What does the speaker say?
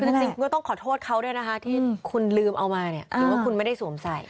คือจริงก็ต้องขอโทษเขาด้วยนะคะที่คุณลืมเอามาเนี่ยหรือว่าคุณไม่ได้สวมใส่